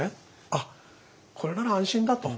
「あっこれなら安心だ」と。